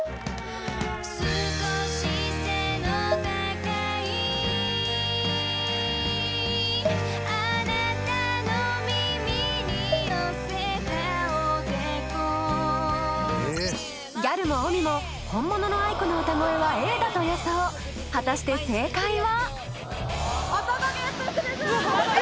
少し背の高いあなたの耳に寄せたおでこギャルもＭＩも本物のａｉｋｏの歌声はＡだと予想果たして正解は？